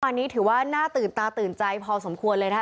อันนี้ถือว่าน่าตื่นตาตื่นใจพอสมควรเลยนะคะ